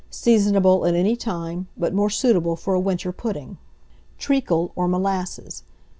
Seasonable at any time, but more suitable for a winter pudding. TREACLE, OR MOLASSES.